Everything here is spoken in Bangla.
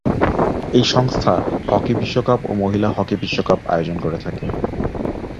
এই সংস্থা হকি বিশ্বকাপ ও মহিলা হকি বিশ্বকাপ আয়োজন করে থাকে।